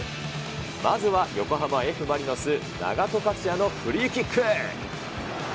まずは横浜Ｆ・マリノス、永戸勝也のフリーキック。